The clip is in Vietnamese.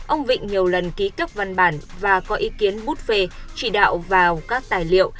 ông vịnh nhiều lần ký cấp văn bản và có ý kiến bút phê chỉ đạo vào các tài liệu